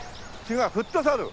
違うフットサル？